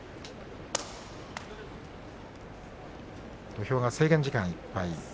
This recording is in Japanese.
土俵は制限時間いっぱい。